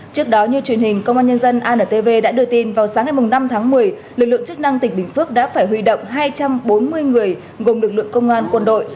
trước đó như truyền hình công an nhân dân antv đã đưa tin vào sáng ngày năm tháng một mươi lực lượng chức năng tỉnh bình phước đã phải huy động hai trăm bốn mươi người gồm lực lượng công an quân đội